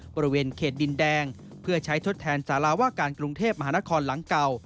บริเวณเขตดินแดงเพื่อใช้ทดแทนสาราว่าการกรุงเทพมหานครหลังเก่า